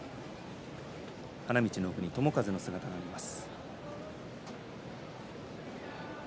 花道の奥に友風の姿があります。